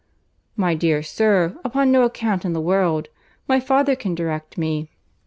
"My dear sir, upon no account in the world; my father can direct me."